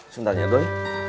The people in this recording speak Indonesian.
sebentar ya doi